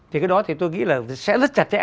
thì cái đó thì tôi nghĩ là sẽ rất chặt chẽ